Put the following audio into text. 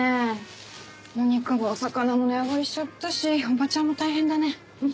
お肉もお魚も値上がりしちゃったしおばちゃんも大変だね。